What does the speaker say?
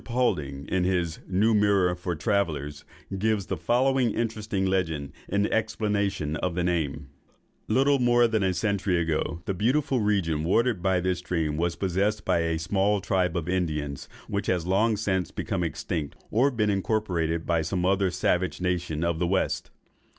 Poulding, in his "New Mirror for Travellers," gives the following interesting legend in explanation of the name:— "Little more than a century ago, the beautiful region watered by this stream was possessed by a small tribe of Indians, which has long since become extinct, or been incorporated with some other savage nation of the West.